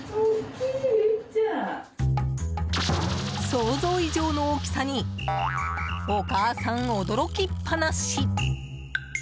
想像以上の大きさにお母さん、驚きっぱなし。